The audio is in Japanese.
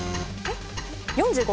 ４５？